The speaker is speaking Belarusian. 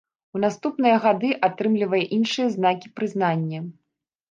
У наступныя гады атрымлівае іншыя знакі прызнання.